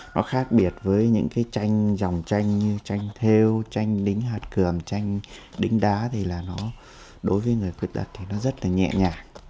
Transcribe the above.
nó khác biệt với những cái tranh dòng tranh như tranh theo tranh đính hạt cường tranh đính đá thì là nó đối với người khuyết tật thì nó rất là nhẹ nhàng